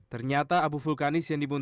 ternyata abu vulkanis yang dibutuhkan